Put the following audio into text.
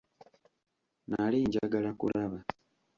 Nali njagala kulaba.